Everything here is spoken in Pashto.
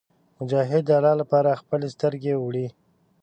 مجاهد د الله لپاره خپلې سترګې وړي.